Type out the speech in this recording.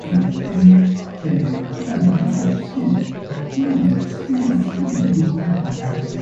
He lies to Natalie that his wife died years ago.